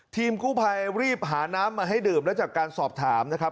ทีมกู้ภัยรีบหาน้ำมาให้ดื่มแล้วจากการสอบถามนะครับ